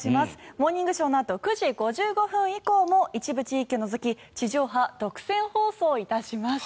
「モーニングショー」のあと９時５５分以降も一部地域を除き地上波独占放送いたします。